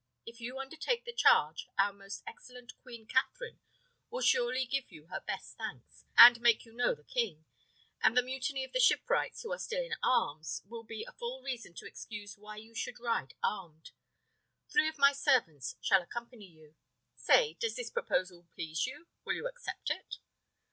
If you undertake the charge, our most excellent Queen Katherine will surely give you her best thanks, and make you know the king; and the mutiny of the shipwrights, who are still in arms, will be a full reason and excuse why you should ride armed. Three of my servants shall accompany you. Say, does this proposal please you? Will you accept it?"